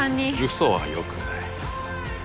嘘はよくない。